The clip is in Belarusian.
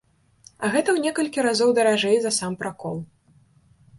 А гэта у некалькі разоў даражэй за сам пракол.